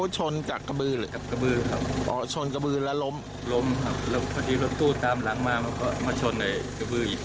จากข้อนนี่เหรอครับจะไปทำงานครับ